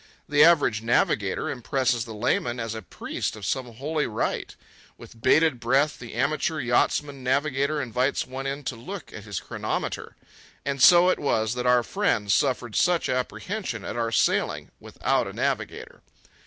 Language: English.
The average navigator impresses the layman as a priest of some holy rite. With bated breath, the amateur yachtsman navigator invites one in to look at his chronometer. And so it was that our friends suffered such apprehension at our sailing without a navigator.